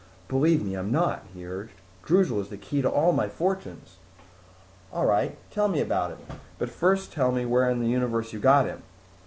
"Believe me, I'm not," he urged. "Droozle is the key to all my fortunes." "All right, tell me about it. But first tell me where in the universe you got him."